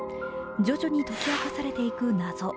徐々に解き明かされていく謎。